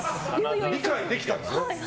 理解できたんですね。